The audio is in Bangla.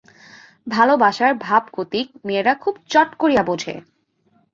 ভালোবাসার ভাবগতিক মেয়েরা খুব চট করিয়া বোঝে।